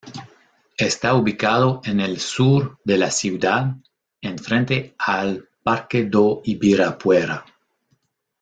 Está ubicado en el sur de la ciudad en frente al Parque do Ibirapuera.